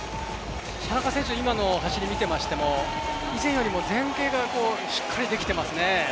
田中選手、今の走りを見ていましても以前よりも前傾がしっかりできていますね。